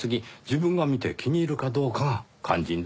自分が見て気に入るかどうかが肝心です。